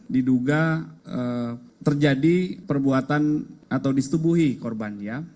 diduga terjadi perbuatan atau distubuhi korban ya